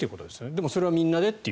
でもそれはみんなでっていう。